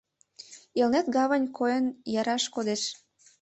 Элнет гавань койын яраш кодеш.